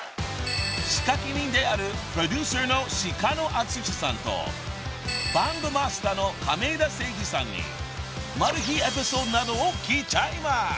［仕掛け人であるプロデューサーの鹿野淳さんとバンドマスターの亀田誠治さんにマル秘エピソードなどを聞いちゃいます］